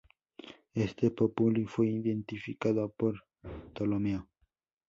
Este populi fue identificado por Ptolomeo.